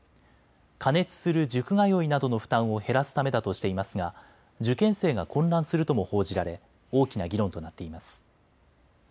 過熱する塾通いなどの負担を減らすためだとしていますが受験生が混乱するとも報じられ大きな議論となっています。